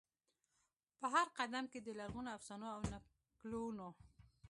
په هرقدم کې د لرغونو افسانو او د نکلونو،